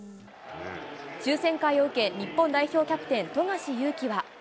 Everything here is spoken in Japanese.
抽せん会を受け、日本代表キャプテン、富樫勇樹は。